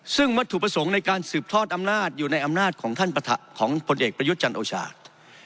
ซึ่งวัตถุประสงค์ในการสืบทอดอำนาจอยู่ในอำนาจของท่านของผลเอกประยุทธ์จันทร์โอชา